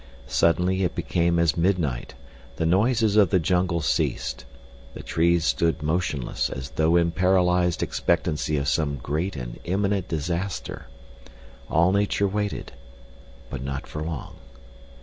Suddenly it became as midnight; the noises of the jungle ceased; the trees stood motionless as though in paralyzed expectancy of some great and imminent disaster. All nature waited—but not for long.